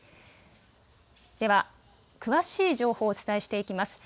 では詳しい情報をお伝えしていきます。